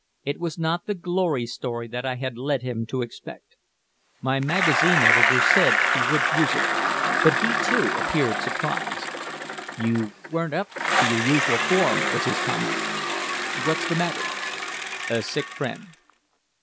It was not the glory story that I had led him to expect. My magazine editor said he would use it, but he, too, appeared surprised. "You weren't up to your usual form," was his comment. "What's the matter?" "A sick friend."